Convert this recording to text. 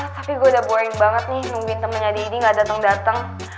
tapi gue udah boring banget nih nungguin temennya didi gak dateng dateng